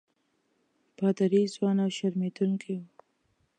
پادري ځوان او شرمېدونکی وو.